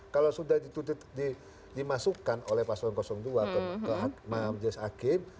kalau sudah dimasukkan oleh paswisaya dua atau ke hak mahasiswa hakim